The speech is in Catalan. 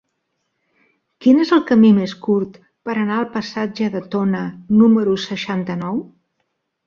Quin és el camí més curt per anar al passatge de Tona número seixanta-nou?